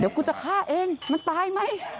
เดี๋ยวกูจะฆ่าเองมันตายไหม